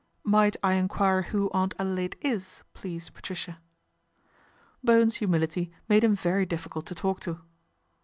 " Might I enquire who Aunt Adelaide is, please, Patricia ?" Bowen's humility made him very difficult to talk to.